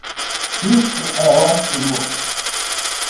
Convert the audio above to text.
Isso é ótimo!